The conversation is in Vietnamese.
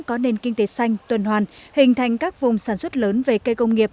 có nền kinh tế xanh tuần hoàn hình thành các vùng sản xuất lớn về cây công nghiệp